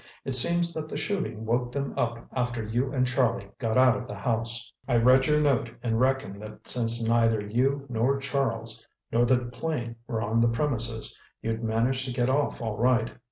It seems that the shooting woke them up after you and Charlie got out of the house. I read your note and reckoned that since neither you nor Charles nor the plane were on the premises, you'd managed to get off all right.